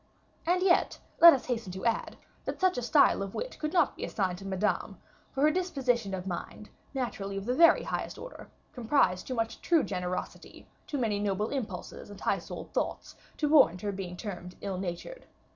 And yet, let us hasten to add, that such a style of wit could not be assigned to Madame, for her disposition of mind, naturally of the very highest order, comprised too much true generosity, too many noble impulses and high souled thoughts, to warrant her being termed ill natured.